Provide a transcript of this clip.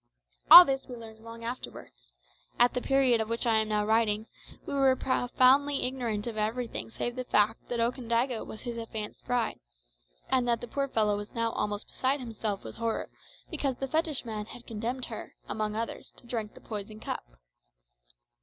All this we learned long afterwards. At the period of which I am now writing, we were profoundly ignorant of everything save the fact that Okandaga was his affianced bride, and that the poor fellow was now almost beside himself with horror because the fetishman had condemned her, among others, to drink the poisoned cup.